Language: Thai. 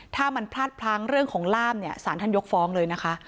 ถ้ามันพลาดพลั้งเรื่องของล่ามเนี่ยสารท่านยกฟ้องเลยนะคะ